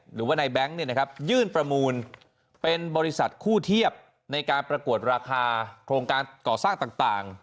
หรือว่าในแบงค์ยื่นประมูลเป็นบริษัทคู่เทียบในการประกวดราคาโครงการก่อสร้างต่าง